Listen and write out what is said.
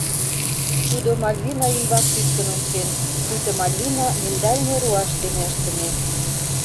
Тудо Мальвина ӱмбак тӱткын ончен, пуйто Мальвина миндальный руаш дене ыштыме.